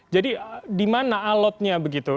jadi di mana alatnya begitu